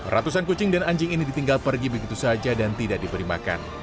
ratusan kucing dan anjing ini ditinggal pergi begitu saja dan tidak diberi makan